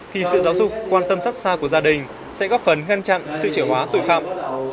thì sự giáo dục quan tâm sát xa của gia đình sẽ góp phần ngăn chặn sự trẻ hóa tội phạm